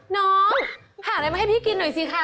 น้องหาอะไรมาให้พี่กินหน่อยสิคะ